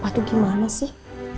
bapak tuh gimana sih